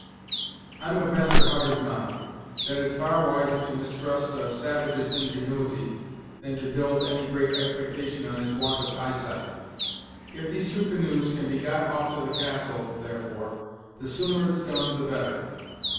I'm of Master Hutter's mind, that it's far wiser to mistrust a savage's ingenuity, than to build any great expectations on his want of eye sight. If these two canoes can be got off to the castle, therefore, the sooner it's done the better."